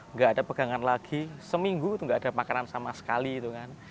nggak ada pegangan lagi seminggu itu nggak ada makanan sama sekali itu kan